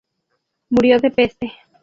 Murió de peste.